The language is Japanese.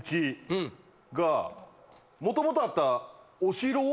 もともとあった。